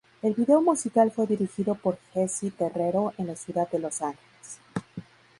El video musical fue dirigido por Jessy Terrero en la ciudad de Los Ángeles.